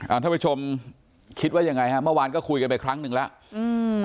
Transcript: ท่านผู้ชมคิดว่ายังไงฮะเมื่อวานก็คุยกันไปครั้งหนึ่งแล้วอืม